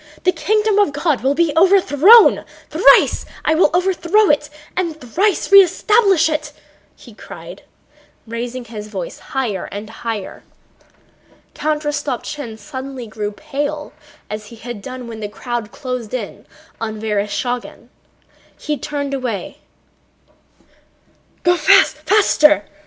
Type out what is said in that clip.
The kingdom of God will be overthrown... Thrice will I overthrow it and thrice re establish it!" he cried, raising his voice higher and higher. Count Rostopchín suddenly grew pale as he had done when the crowd closed in on Vereshchágin. He turned away.